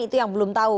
itu yang belum tahu